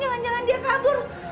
jangan jangan dia kabur